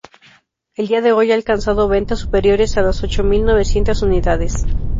El día de hoy ha alcanzado ventas superiores a las ocho mil novecientas unidades.